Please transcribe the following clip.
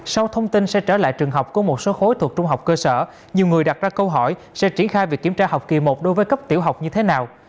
sau thông tin sẽ trở lại trường học của một số khối thuộc trung học cơ sở nhiều người đặt ra câu hỏi sẽ triển khai việc kiểm tra học kỳ một đối với cấp tiểu học như thế nào